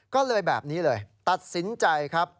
ก็เลยแบบนี้เลยตัดสินใจครับ